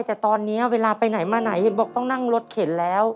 แต่ตอนนี้เวลาไปไหนมาไหนเห็นบอกต้องนั่งรถเข็นแล้ว